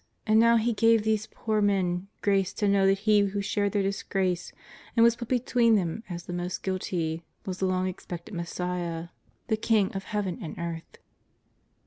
And now He gave these poor men grace to know that He who shared their disgrace and was put between them as the most guilty was the long expected Messiah, the King of JESUS OF NAZAEETH. 361 Heaven and earth.